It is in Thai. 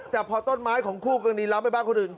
แต่พอต้นไม้ของคู่กรณีล้ำไปบ้านคนอื่น